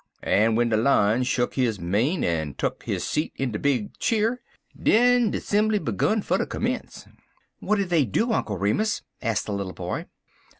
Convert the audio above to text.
En w'en de Lion shuck his mane, en tuck his seat in de big cheer, den de sesshun begun fer ter commence. "What did they do, Uncle Remus?" asked the little boy.